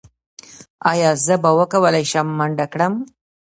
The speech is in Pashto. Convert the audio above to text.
ایا زه به وکولی شم منډه کړم؟